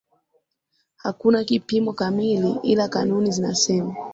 Hakuna kipimo kamili ila kanuni zinasema